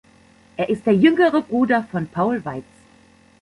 Er ist der jüngere Bruder von Paul Weitz.